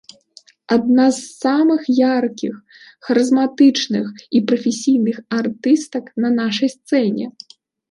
Адна з самых яркіх, харызматычных і прафесійных артыстак на нашай сцэне.